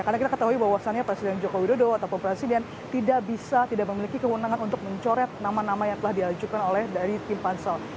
karena kita ketahui bahwasannya presiden jokowi dodo atau presiden tidak bisa tidak memiliki kewenangan untuk mencoret nama nama yang telah diajukan oleh tim pansel